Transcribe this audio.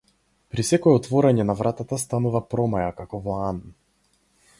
При секое отворање на вратата станува промаја како во ан.